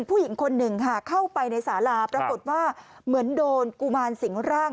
ผู้หญิงคนหนึ่งค่ะเข้าไปในสาราปรากฏว่าเหมือนโดนกุมารสิงร่าง